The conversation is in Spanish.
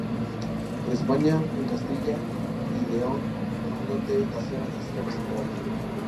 En España en Castilla y León, abundante en las sierras del Sistema Central.